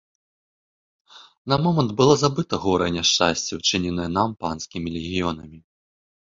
На момант было забыта гора і няшчасце, учыненыя нам панскімі легіёнамі.